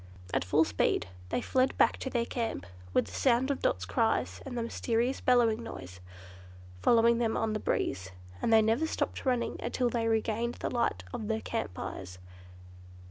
At full speed they fled back to their camp, with the sound of Dot's cries, and the mysterious bellowing noise, following them on the breeze; and they never stopped running until they regained the light of their camp fires.